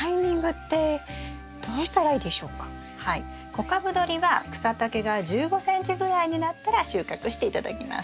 小株どりは草丈が１５ｃｍぐらいになったら収穫して頂きます。